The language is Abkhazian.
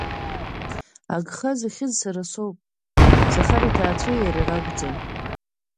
Агха зыхьыз сара соуп, Захар иҭаацәеи иареи ракәӡам.